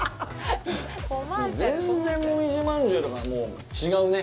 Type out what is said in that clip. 全然もみじまんじゅうとは違うね。